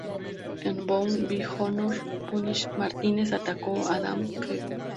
En "Bound By Honor", Punishment Martinez atacó a Adam Page.